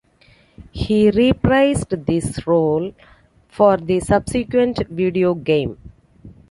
He reprised this role for the subsequent video game.